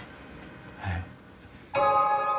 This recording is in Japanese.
はい。